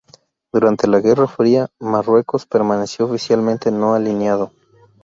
Durante la Guerra Fría, Marruecos permaneció oficialmente no alineado.